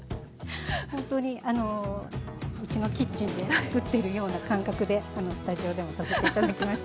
本当にうちのキッチンで作っているような感覚でスタジオでもさせて頂きました。